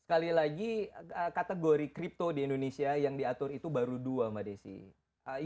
nah kali lagi kategori kripto di indonesia yang diatur itu baru dua mbak desy